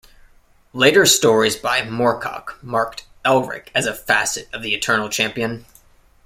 Later stories by Moorcock marked Elric as a facet of the Eternal Champion.